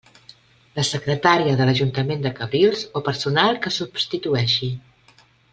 La secretària de l'Ajuntament de Cabrils o personal que substitueixi.